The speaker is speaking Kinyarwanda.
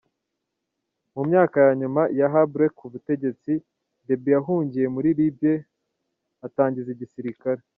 Mu myaka ya nyuma ya Habre ku butegetsi, Deby yahungiye muri Libye atangiza igisirikare.